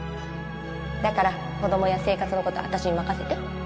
だから子供や生活のことは私に任せて